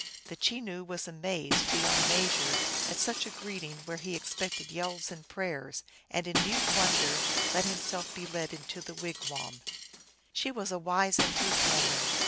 The Chenoo was amazed be yond measure at such a greeting where he expected yells and prayers, and in mute wonder let himself be led into the wigwam. She was a wise and good woman.